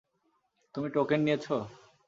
তুমি টোকেন নিয়েছ?